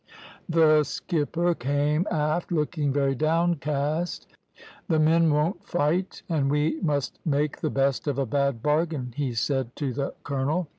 "The skipper came aft, looking very downcast. `The men won't fight, and we must make the best of a bad bargain,' he said to the colonel.